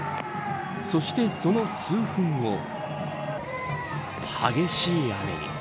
そして、その数分後激しい雨に。